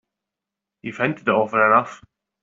You've hinted it often enough.